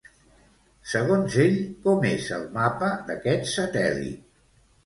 Segons ell, com és el mapa d'aquest satèl·lit?